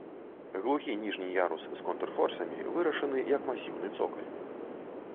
Глухі ніжні ярус з контрфорсамі вырашаны як масіўны цокаль.